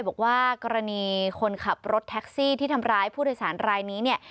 บอกว่ากรณีคนขับรถแท็กซี่ที่ทำร้ายผู้โดยสารรายนี้เนี่ย